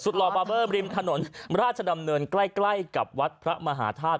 หล่อบาร์เบอร์ริมถนนราชดำเนินใกล้กับวัดพระมหาธาตุ